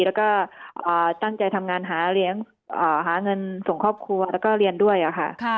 แล้วก็ตั้งใจทำงานหาเงินส่งครอบครัวแล้วก็เรียนด้วยค่ะ